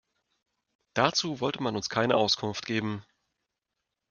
Dazu wollte man uns keine Auskunft geben.